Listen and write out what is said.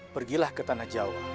pergilah ke tanah jawa